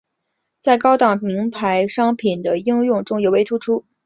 在高档名牌商品的应用中尤为突出。